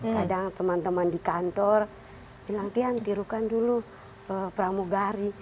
kadang teman teman di kantor bilang tian tirukan dulu pramugari